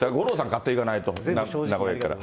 勝っていかないと、名古屋駅から。